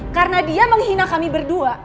karena dia menghina kami berdua